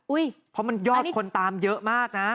เพราะมันยอดคนตามเยอะมากนะ